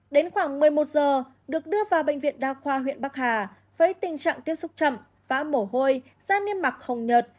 đến khoảng một mươi một giờ được đưa vào bệnh viện đa khoa huyện bắc hà với tình trạng tiếp xúc chậm vã mổ hôi da niêm mạc hồng nhợt